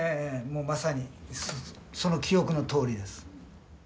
もうまさにその記憶のとおりです。